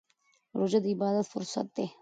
روژه د عبادت فرصت دی.